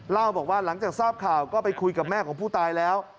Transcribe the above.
เล่าบอกว่าหลังจากทราบข่าวก็ไปคุยกับแม่ของผู้ตายแล้ว